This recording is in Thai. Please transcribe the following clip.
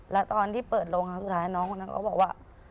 แล้วตอนที่เปิดลงสุดท้ายน้องคนนั้นก็บอกว่า